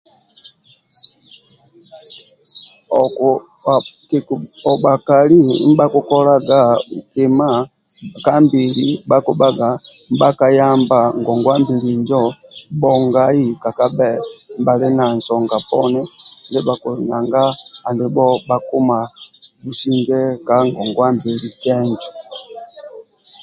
Bakali ndi bha kukolaga kima kambili bhakubhaga nibha kayamba ngongwabili onjo bhongai kaKabhe nibhali na nsong a poni bang andibha bakuma businge ka ngongwabili kenjo